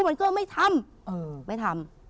มันก็ไม่ทำไม่ทำ